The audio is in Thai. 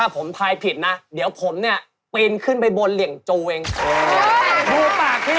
ข้อแทนให้รับรับรับ